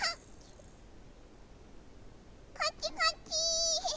こっちこっち！